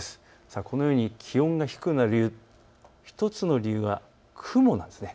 このように気温が低くなる理由、１つの理由は雲なんです。